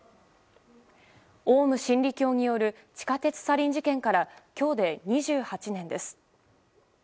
オウム真理教による地下鉄サリン事件から今日で２８年です。